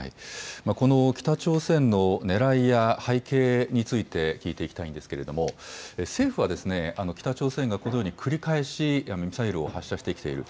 この北朝鮮のねらいや背景について聞いていきたいんですけれども、政府は北朝鮮がこのように繰り返しミサイルを発射してきている。